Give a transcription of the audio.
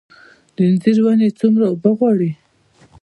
د انځر ونې څومره اوبه غواړي؟